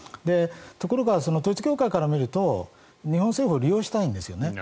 ところが、統一教会から見ると日本政府を利用したいんですよね。